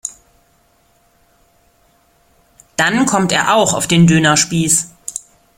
Dann kommt er auch auf den Dönerspieß.